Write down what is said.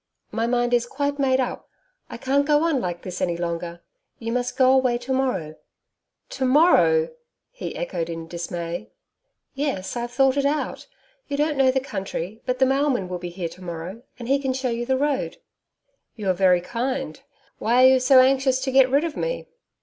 My mind is quite made up. I can't go on like this any longer. You must go away to morrow.' 'To morrow!' he echoed in dismay. 'Yes. I've thought it out. You don't know the country, but the mailman will be here to morrow, and he can show you the road.' 'You are very kind.... Why are you so anxious to get rid of me?'